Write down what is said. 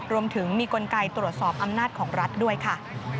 รวมถึงมีกลไกตรวจสอบอำนาจของรัฐด้วยค่ะ